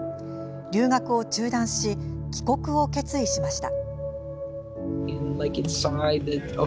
留学を中断し帰国を決意しました。